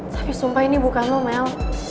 tapi sumpah ini bukan lo mel